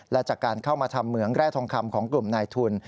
และจากการเข้ามาทำเหมืองแร่ทองคำของกลุ่มนายทุน